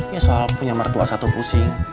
ya soal punya mertua satu pusing